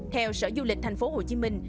theo sở du lịch thành phố hồ chí minh